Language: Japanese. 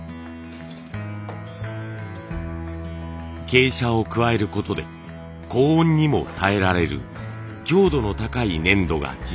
けい砂を加えることで高温にも耐えられる強度の高い粘土が実現。